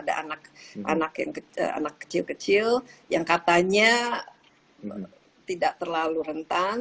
ada anak kecil kecil yang katanya tidak terlalu rentan